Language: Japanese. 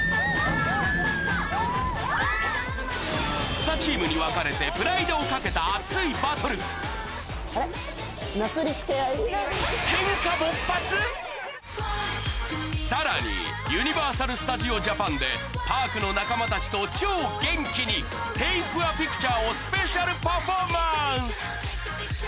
ふたチームに分かれてプライドを懸けた熱いバトルさらにユニバーサル・スタジオ・ジャパンでパークの仲間たちと超元気に『Ｔａｋｅａｐｉｃｔｕｒｅ』をスペシャルパフォーマンス